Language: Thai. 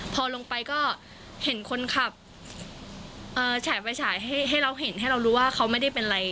พอลงไปก็เห็นคนขับฉายไฟฉายให้เราเห็นให้เรารู้ว่าเขาไม่ได้เป็นอะไร